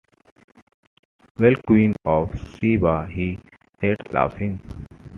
“Well, Queen of Sheba!” he said, laughing.